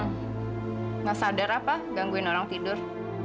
tidak sadar apa gangguin orang tidur